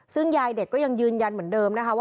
ซึ่งยายเด็กก็ยังยืนยันเหมือนเดิมนะคะว่า